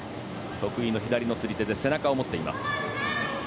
得意の左の釣り手で背中を持っています。